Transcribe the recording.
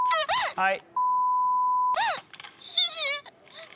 はい。